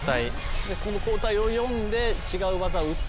このこうたいを読んで違う技をうって。